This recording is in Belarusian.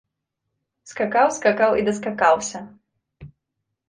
Скакаў, скакаў і даскакаўся.